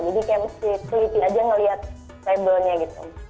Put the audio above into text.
jadi kayak mesti selipi aja ngelihat labelnya gitu